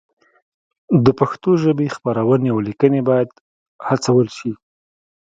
د پښتو ژبې خپرونې او لیکنې باید هڅول شي.